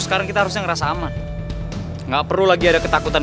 mendingan pindah ke sini